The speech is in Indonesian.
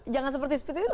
jangan seperti itu